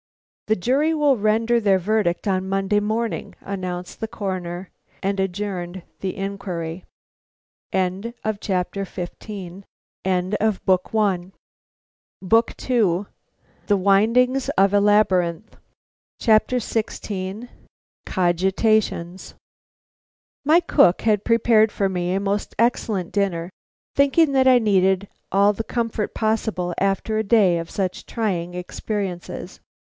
"The jury will render their verdict on Monday morning," announced the Coroner, and adjourned the inquiry. BOOK II. THE WINDINGS OF A LABYRINTH. XVI. COGITATIONS. My cook had prepared for me a most excellent dinner, thinking that I needed all the comfort possible after a day of such trying experiences.